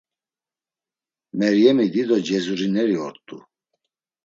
Meryemi dido cezurineri ort̆u.